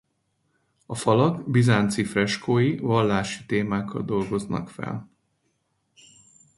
A falak bizánci freskói vallási témákat dolgoznak fel.